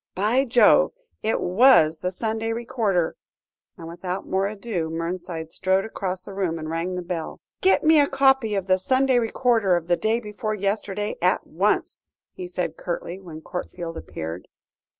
by Jove! it was the Sunday Recorder," and without more ado, Mernside strode across the room and rang the bell. "Get me a copy of the Sunday Recorder of the day before yesterday, at once," he said curtly, when Courtfield appeared.